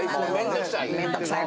面倒くさい。